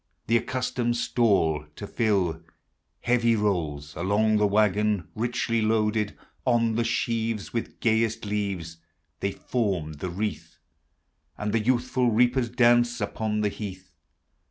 The accustomed stall to iill. Heavy rolls Alone; the wagon, Richly loaded. On the sheaves, With gayest leai They form the wreath ; And the youthful reapers dance I 'poll the heath.